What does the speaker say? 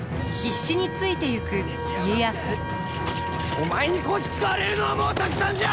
お前にこき使われるのはもうたくさんじゃ！